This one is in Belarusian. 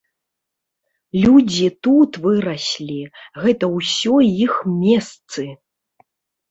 Людзі тут выраслі, гэта ўсё іх месцы.